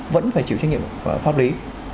vẫn phải chịu trách nhiệm pháp lý